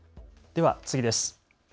では次です。